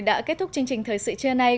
đã kết thúc chương trình thời sự trưa nay